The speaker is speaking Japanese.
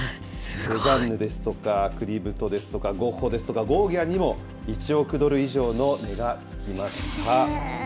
セザンヌですとか、クリムトですとか、ゴッホもゴーギャンにも１億ドル以上の値が付きました。